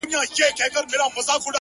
زه مي له ژونده په اووه قرآنه کرکه لرم!!